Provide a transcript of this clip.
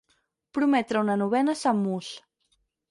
Prometre una novena a sant Mus.